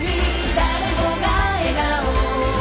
「誰もが笑顔」